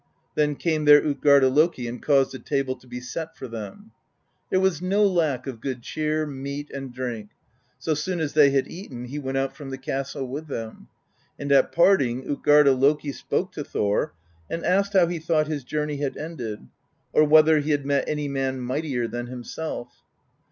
Then came there tJtgarda Loki and caused a table to be set for them; there was no lack of good cheer, meat and drink. So soon as they had eaten, he went out from the castle with them; and at parting Utgarda Loki spoke to Thor and asked how he thought his journey had ended, or whether he had met any man mightier than him self.